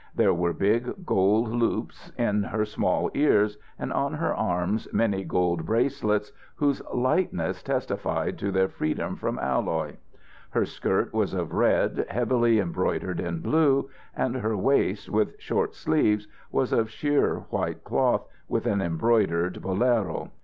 There were big gold loops in her small ears, and on her arms, many gold bracelets, whose lightness testified to their freedom from alloy. Her skirt was of red, heavily embroidered in blue, and her waist, with short sleeves, was of sheer white cloth, with an embroidered bolero.